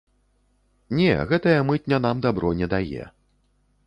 Не, гэтая мытня нам дабро не дае.